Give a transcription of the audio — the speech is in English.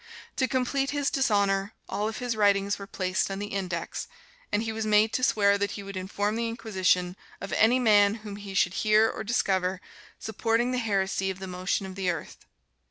To complete his dishonor, all of his writings were placed on the "Index," and he was made to swear that he would inform the Inquisition of any man whom he should hear or discover supporting the heresy of the motion of the earth.